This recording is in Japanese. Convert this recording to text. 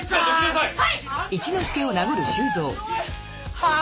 はい！